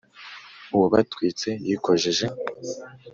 uwabatwise yikojeje